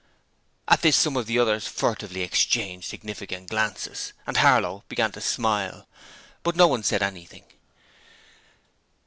At this some of the others furtively exchanged significant glances, and Harlow began to smile, but no one said anything.